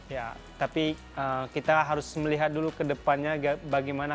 ya tapi kita harus melihat dulu ke depannya bagaimana